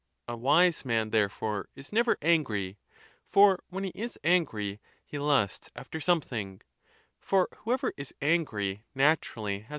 A wise man, there fore, is never angry; for when he is angry, he lusts after something; for whoever is angry naturally has.